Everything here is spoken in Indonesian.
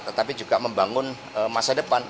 tetapi juga membangun masa depan